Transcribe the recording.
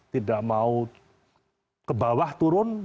tidak mau ke bawah turun tidak mau ke bawah turun